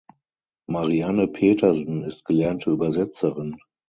Mariane Petersen ist gelernte Übersetzerin.